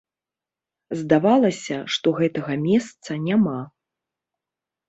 Здавалася, што гэтага месца няма.